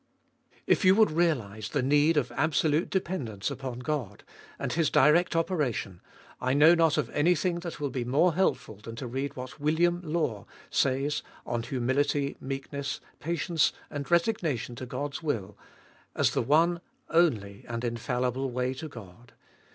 7. // you would realise the need of absolute dependence upon God, and His direct operation, I know not of anything that will be more helpful than to read what William Law says on humility, meekness, patience, and resignation to God's will, as the one only and infallible way to God.